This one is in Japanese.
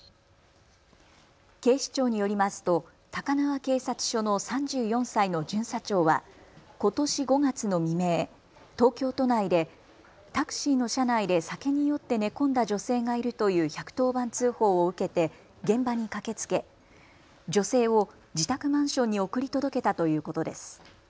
警視庁によりますと高輪警察署の３４歳の巡査長はことし５月の未明、東京都内でタクシーの車内で酒に酔って寝込んだ女性がいるという１１０番通報を受けて現場に駆けつけ女性を自宅マンションに送り届けたということです。